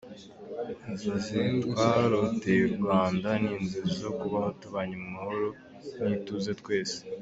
Inzozi twaroteye u Rwanda, ni inzozi zo kubaho tubanye mu mahoro n’ituze twese.